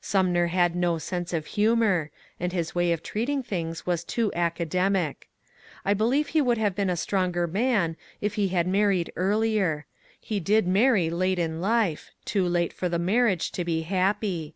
Sunmer had no sense of humour, and his way of treating things was too academic. I believe he would have been a stronger man if he had married earlier ; he did marry late in life, too late for the marriage to be happy.